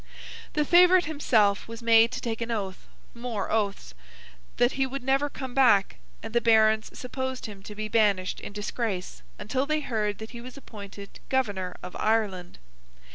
The favourite himself was made to take an oath (more oaths!) that he would never come back, and the Barons supposed him to be banished in disgrace, until they heard that he was appointed Governor of Ireland.